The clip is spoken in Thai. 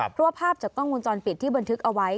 เพราะว่าภาพจากกล้องวงจรปิดที่บันทึกเอาไว้